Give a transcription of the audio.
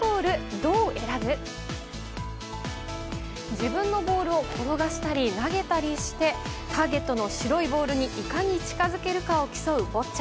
自分のボールを転がしたり投げたりしてターゲットの白いボールにいかに近づけるかを競うボッチャ。